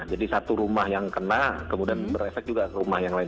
jadi satu rumah yang kena kemudian berefek juga ke rumah yang lain